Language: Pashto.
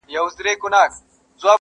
زه راغلی یم چي لار نه کړمه ورکه.!